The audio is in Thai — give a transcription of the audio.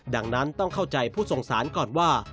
ดังนั้นต้องเข้าใจผู้สงสารก่อนว่า